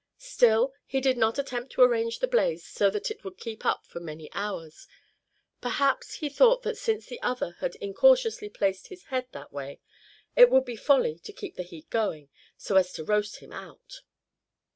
Still, he did not attempt to arrange the blaze so that it would keep up for many hours; perhaps he thought that since the other had incautiously placed his head that way it would be folly to keep the heat going, so as to roast him out.